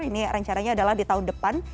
ini rencananya adalah di tahun depan